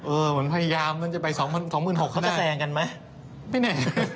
เอ้อมันพยายามมันจะไป๒๖๐๐๐ขนาดกระดาษจะแสนกันไหมไม่แน่